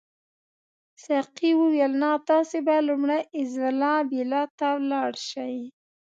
ساقي وویل نه تاسي به لومړی ایزولا بیلا ته ولاړ شئ.